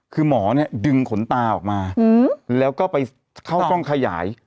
คือหมอเนี่ยดึงขนตาออกมาแล้วก็ไปเข้ากล้องขยาย